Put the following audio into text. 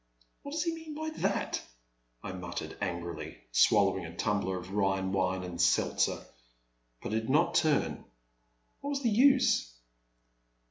'' What does he mean by that ?" I mattered, angrily swallowing a tumbler of Rhine wine and seltzer. But I did not turn. What was the use